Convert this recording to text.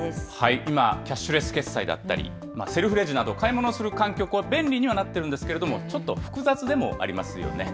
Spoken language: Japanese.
今、キャッシュレス決済だったり、セルフレジなど買い物をする環境、便利にはなっているんですけれども、ちょっと複雑でもありますよね。